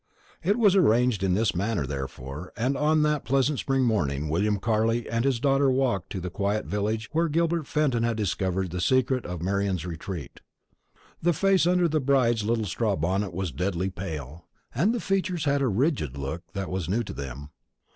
It was arranged in this manner, therefore; and on that pleasant spring morning William Carley and his daughter walked to the quiet village where Gilbert Fenton had discovered the secret of Marian's retreat. The face under the bride's little straw bonnet was deadly pale, and the features had a rigid look that was new to them.